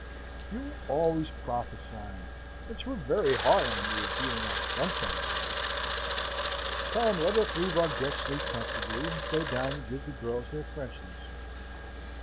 You are always prophesying, and 'twere very hard on you if you were not sometimes right. Come! Let us leave our guest asleep comfortably, and go down and give the girls their French lesson."